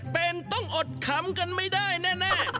เป็นต้องอดขำกันไม่ได้แน่